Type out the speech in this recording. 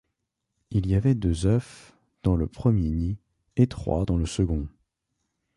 Il y avait deux œufs dans le premier nid et trois dans le second.